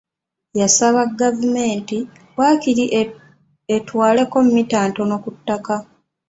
Yasaba gavumenti waakiri ettwaleko mmita ntono ku ttaka.